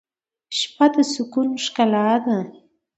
شپه د سکون ښکلا ده.